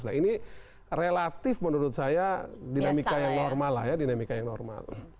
nah ini relatif menurut saya dinamika yang normal lah ya dinamika yang normal